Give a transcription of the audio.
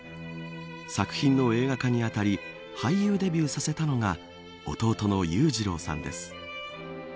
作品の映画化に当たり俳優デビューさせたのが弟の裕次郎さんです。